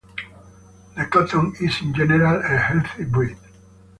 The Coton is in general a healthy breed.